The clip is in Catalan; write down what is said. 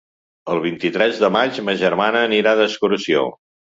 El vint-i-tres de maig ma germana anirà d'excursió.